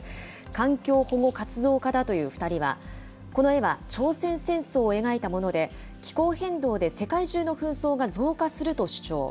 環境保護活動家だという２人は、この絵は朝鮮戦争を描いたもので、気候変動で世界中の紛争が増加すると主張。